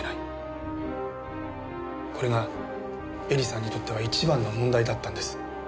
これが絵里さんにとっては一番の問題だったんです。